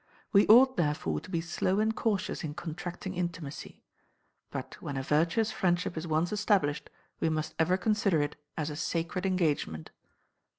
We ought, therefore, to be slow and cautious in contracting intimacy; but when a virtuous friendship is once established, we must ever consider it as a sacred engagement."